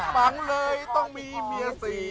บังเลยต้องมีเมียสี่